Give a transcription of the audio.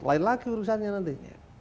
lain lagi urusannya nantinya